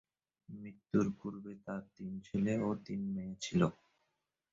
মৃত্যুর পূর্বে তার তিন ছেলে ও তিন মেয়ে ছিল।